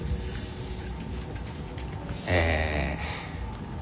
え